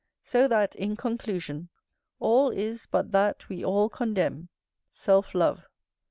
So that in conclusion, all is but that we all condemn, self love.